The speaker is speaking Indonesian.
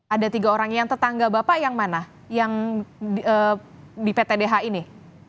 ada tiga orang yang tetangga bapak yang mana yang di ptdh ini